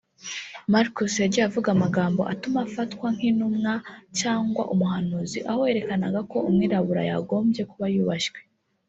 Marcus yagiye avuga amagambo atuma afatwa nk’intumwa cyangwa umuhanuzi aho yerekanaga ko umwirabura yagombye kuba yubashywe